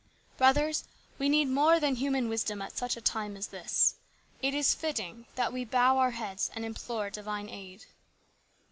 " Brothers, we need more than human wisdom at such a time as this. It is fitting that we bow our heads and implore divine aid."